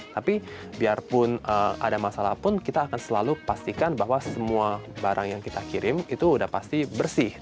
tapi biarpun ada masalah pun kita akan selalu pastikan bahwa semua barang yang kita kirim itu sudah pasti bersih